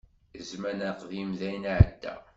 Zzman aqdim dayen iεedda.